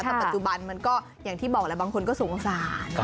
เมื่อประจบปัจจุบันมันก็อย่างที่บอกละบางคนก็สงสาร